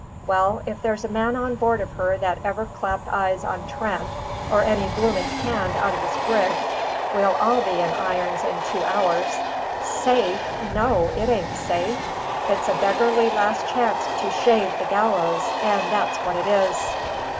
Well, if there's a man on board of her that ever clapped eyes on Trent or any blooming hand out of this brig, we'll all be in irons in two hours. Safe! no, it ain't safe; it's a beggarly last chance to shave the gallows, and that's what it is."